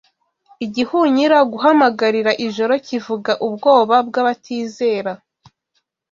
Igihunyira guhamagarira Ijoro kivuga ubwoba bw'abatizera